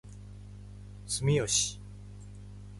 住吉